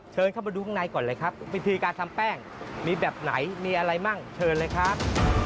เชิญเข้ามาดูข้างในก่อนเลยครับวิธีการทำแป้งมีแบบไหนมีอะไรมั่งเชิญเลยครับ